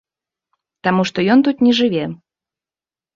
Таму што ён тут не жыве.